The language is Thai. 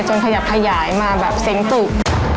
จนขยับขยายมาแบบเซ็งก์ตุ๊ก